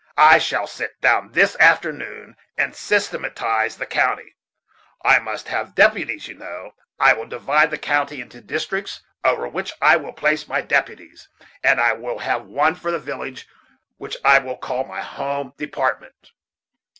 I shall sit down this afternoon and systematize the county. I must have deputies, you know. I will divide the county into districts, over which I will place my deputies; and I will have one for the village, which I will call my home department.